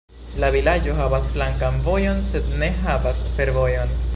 La vilaĝo havas flankan vojon sed ne havas fervojon.